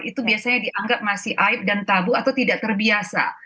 itu biasanya dianggap masih aib dan tabu atau tidak terbiasa